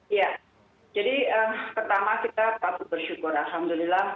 iya jadi pertama kita patut bersyukur alhamdulillah